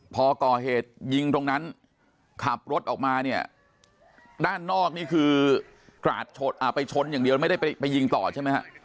พอก่อเหตุยิงตรงนั้นขับรถออกมาเนี่ยด้านนอกนี่คือกราดไปชนอย่างเดียวไม่ได้ไปยิงต่อใช่ไหมฮะ